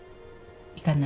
行かない。